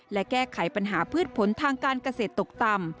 และแก้ไขปัญหาพืชผลทางการเกษตรตกต่ำ